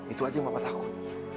itu aja yang papa takut